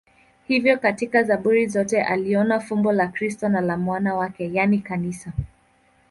Hivyo katika Zaburi zote aliona fumbo la Kristo na la mwili wake, yaani Kanisa.